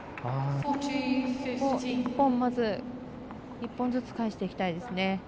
１本ずつ返していきたいですね。